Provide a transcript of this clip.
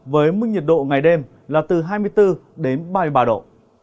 với mức nhiệt độ ngày đêm là từ hai mươi bốn đến ba mươi ba độ